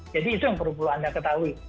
jadi itu yang perlu anda ketahui